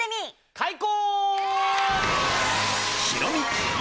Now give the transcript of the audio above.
開講！